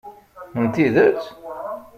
N tidet?